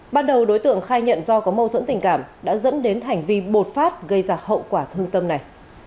ban đầu đối tượng khai nhận do có mâu thuẫn tình cảm đã dẫn đến hành vi bột phát gây ra hậu quả thương tâm này